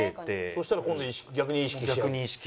そしたら今度逆に意識。